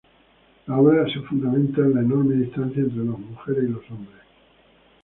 La obra se fundamenta en la enorme distancia entre las mujeres y los hombres.